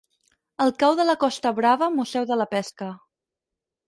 El Cau de la Costa Brava-Museu de la Pesca.